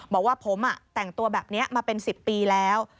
บอกว่าผมแต่งตัวแบบนี้มาเป็น๑๐ปีแล้ว